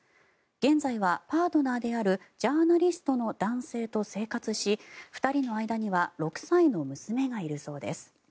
現在はパートナーであるジャーナリストの男性と生活し２人の間には６歳の娘がいるそうです。